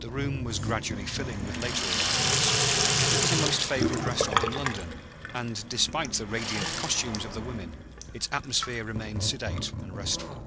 The room was gradually filling with later arrivals; it was the most favored restaurant in London, and, despite the radiant costumes of the women, its atmosphere remained sedate and restful.